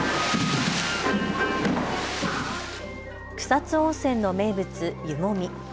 草津温泉の名物、湯もみ。